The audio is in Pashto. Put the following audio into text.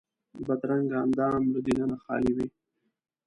بدرنګه اندام له دننه خالي وي